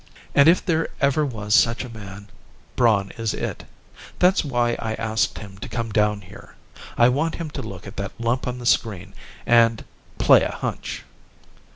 "And if there ever was such a man, Braun is it. That's why I asked him to come down here. I want him to look at that lump on the screen and play a hunch."